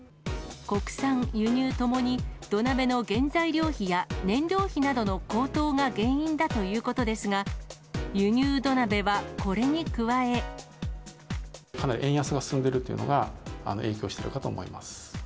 国産、輸入ともに土鍋の原材料費や燃料費などの高騰が原因だということですが、かなり円安が進んでいるというのが影響してるかと思います。